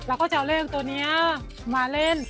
เราก็จะเอาเลขตัวนี้มาเล่น